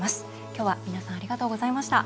今日は皆さんありがとうございました。